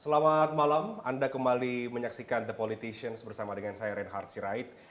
selamat malam anda kembali menyaksikan the politicians bersama dengan saya reinhard sirait